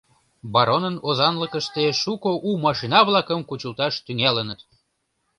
Баронын озанлыкыште шуко у машина-влакым кучылташ тӱҥалыныт.